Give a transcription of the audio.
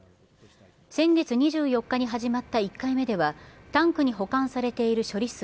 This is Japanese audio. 先月２４日に始まった１回目では、タンクに保管されている処理水